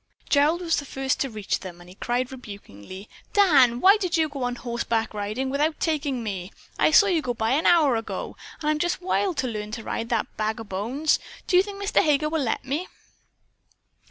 Gerald was the first to reach them, and he cried, rebukingly: "Dan, why did you go horseback riding without taking me. I saw you go by an hour ago. I'm just wild to learn to ride that Bag o' Bones. Do you think Mr. Heger will let me?"